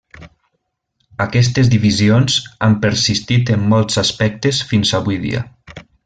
Aquestes divisions han persistit en molts aspectes fins avui dia.